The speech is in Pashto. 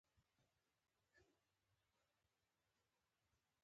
د خوړو د پاکوالي لپاره باید څه شی وکاروم؟